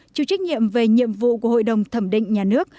chịu trách nhiệm về nhiệm vụ của hội đồng thẩm định nhà nước